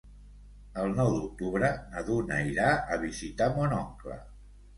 El nou d'octubre na Duna irà a visitar mon oncle.